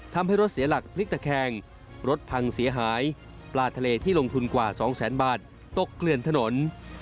ทำให้รถเสียหลักพลิกตะแคงรถพังเสียหายปลาทะเลที่ลงทุนกว่าสองแสนบาทตกเกลื่อนถนน